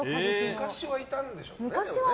昔はいたんでしょうね。